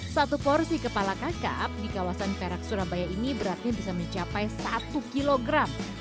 satu porsi kepala kakap di kawasan perak surabaya ini beratnya bisa mencapai satu kilogram